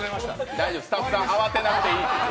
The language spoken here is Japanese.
スタッフさん慌てなくていい。